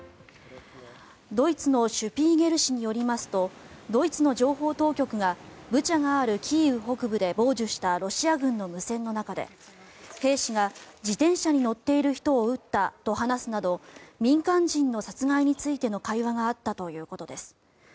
ドイツの「シュピーゲル」誌によりますとドイツの情報当局がブチャがあるキーウ北部で傍受したロシア軍の無線の中で兵士が自転車に乗っている人を撃ったと話すなど民間人の殺害についての会話があったということです。